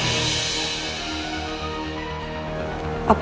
menantu favoritnya papa